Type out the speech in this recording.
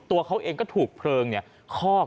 ตัวเขาเองก็ถูกเพลิงคอก